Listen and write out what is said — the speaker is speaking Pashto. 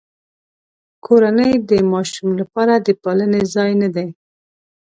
کورنۍ د ماشوم لپاره د پالنې ځای نه دی.